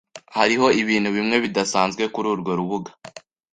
Hariho ibintu bimwe bidasanzwe kururwo rubuga.